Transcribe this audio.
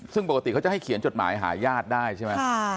ซึ่งปกติเขาจะให้เขียนจดหมายหาญาติได้ใช่ไหม